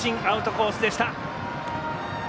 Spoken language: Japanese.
アウトコースでした。